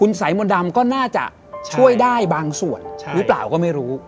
สายมนต์ดำก็น่าจะช่วยได้บางส่วนหรือเปล่าก็ไม่รู้